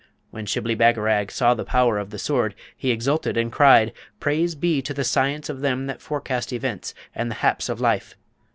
When Shibli Bagarag saw the power of the Sword, he exulted and cried, 'Praise be to the science of them that forecast events and the haps of life!'